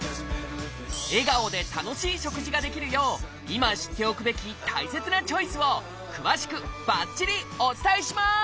笑顔で楽しい食事ができるよう今知っておくべき大切なチョイスを詳しくばっちりお伝えします！